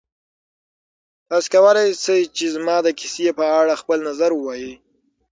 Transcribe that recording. تاسو کولی شئ چې زما د کیسې په اړه خپل نظر ووایئ.